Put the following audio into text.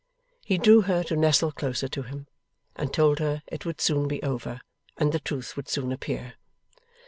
He drew her to nestle closer to him, and told her it would soon be over, and the truth would soon appear.